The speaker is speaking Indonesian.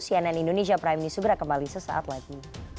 cnn indonesia prime news segera kembali sesaat lagi